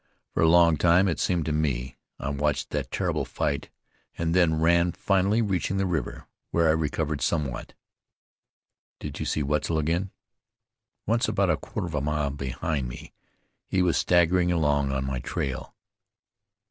For a long time, it seemed to me, I watched that terrible fight, and then ran, finally reaching the river, where I recovered somewhat." "Did you see Wetzel again?" "Once, about a quarter of a mile behind me. He was staggering along on my trail."